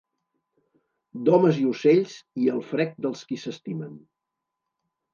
D’homes i ocells, i el frec dels qui s’estimen.